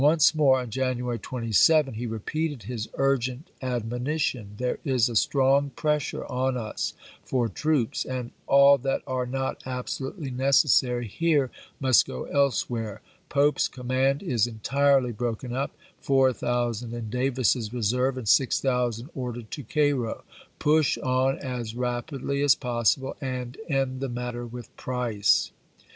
soe. " more, on January 27, he repeated his urgent ad monition :" There is a strong pressure on us for troops, and all that are not absolutely necessary here must go elsewhere. Pope's command is en j^j^ tirely broken up ; 4000 in Davis's reserve and 6000 i86i^°w!'R. ordered to Cairo. Push on as rapidly as possible, ^ pi Jii}" and end the matter with Price."